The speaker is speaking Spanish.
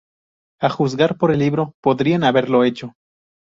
A juzgar por el libro podrían haberlo hecho.